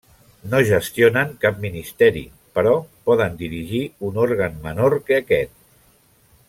No gestionen cap ministeri però poden dirigir un òrgan menor que aquest.